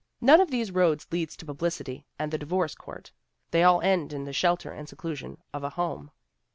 None of these roads leads to publicity and the divorce GENE STRATTON PQRMR :oy court. They all end in the shelter and seclusion of a home.